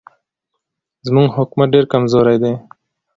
زموږ حکومت ډېر کمزوری دی.